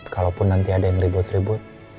kalaupun nanti ada yang ribut ribut